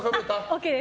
ＯＫです。